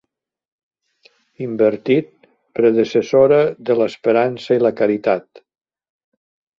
Invertit, predecessora de l'esperança i la caritat.